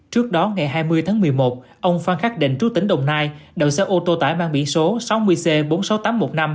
trước đó ngày hai mươi tháng một mươi một ông phan khắc định trú tỉnh đồng nai đậu xe ô tô tải mang biển số sáu mươi c bốn mươi sáu nghìn tám trăm một mươi năm